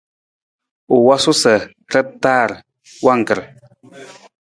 U wosu sa ra taar wangkar.